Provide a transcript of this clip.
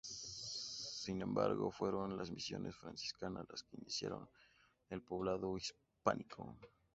Sin embargo, fueron las misiones franciscanas las que iniciaron el poblado hispánico.